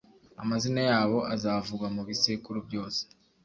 amazina yabo azavugwa mu bisekuru byose,